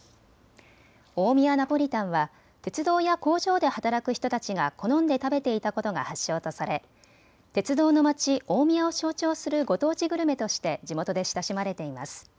大宮ナポリタンは鉄道や工場で働く人たちが好んで食べていたことが発祥とされ、鉄道のまち大宮を象徴するご当地グルメとして地元で親しまれています。